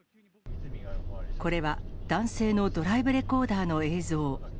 これは、男性のドライブレコーダーの映像。